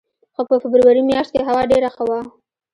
خو په فبروري میاشت کې هوا ډېره ښه وه.